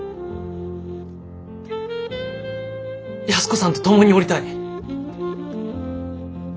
安子さんと共におりたい。